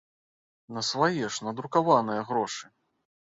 На свае ж, надрукаваныя грошы!